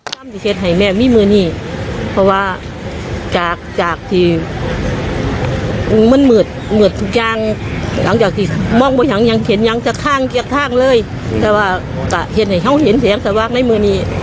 แต่ว่าจะเห็นแห่งสวากในมือนี้